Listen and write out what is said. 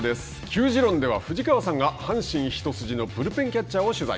「球自論」では藤川さんが阪神一筋のブルペンキャッチャーを取材。